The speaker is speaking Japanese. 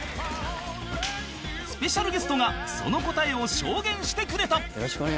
スペシャルゲストがその答えを証言してくれた